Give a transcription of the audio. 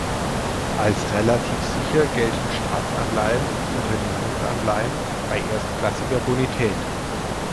Als relativ sicher gelten Staatsanleihen und Unternehmensanleihen bei erstklassiger Bonität.